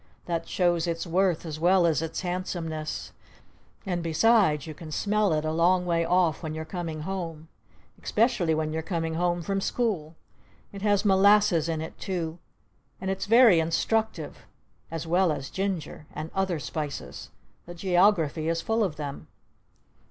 That shows its worth as well as its handsomeness! And besides you can smell it a long way off when you're coming home! Especially when you're coming home from school! It has molasses in it too. And that's very instructive! As well as ginger! And other spices! The Geography is full of them!